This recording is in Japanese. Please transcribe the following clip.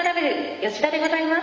吉田でございます。